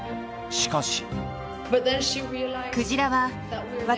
しかし。